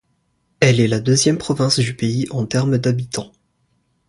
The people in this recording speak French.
Elle est la deuxième province du pays en terme d'habitants.